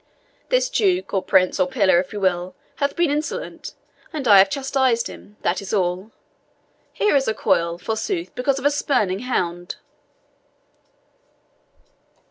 "This duke, or prince, or pillar, if you will, hath been insolent, and I have chastised him that is all. Here is a coil, forsooth, because of spurning a hound!"